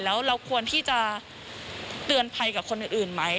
แล้วเราควรที่จะเตือนภัยกับคนอื่นไหม